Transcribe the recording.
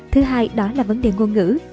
thứ hai đó là vấn đề ngôn ngữ